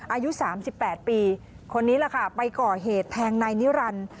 อายุ๓๘ปีคนนี้แหละค่ะไปก่อเหตุแทงนายนิรันดิ์